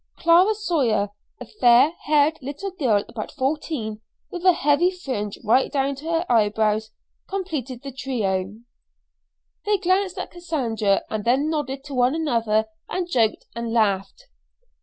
Clara Sawyer, a fair haired little girl about fourteen, with a heavy fringe right down to her eyebrows, completed the trio. They glanced at Cassandra, and then nodded to one another and joked and laughed.